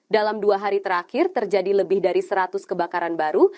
dalam dua hari terakhir terjadi lebih dari seratus kebakaran baru